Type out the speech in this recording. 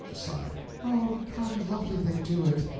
(Aside.) Oh, how lovely they do it!